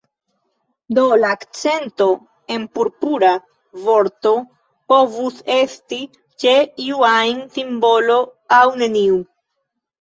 Do, la akcento en "Purpura" vorto povus esti ĉe iu ajn silabo aŭ neniu.